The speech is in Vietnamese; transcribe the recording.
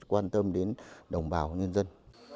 quan tâm đến đồng bào và nhân dân